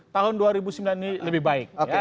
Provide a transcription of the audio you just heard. tahun dua ribu sembilan ini lebih baik